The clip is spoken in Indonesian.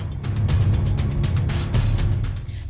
presiden direktur ketut budi wijaya mengatakan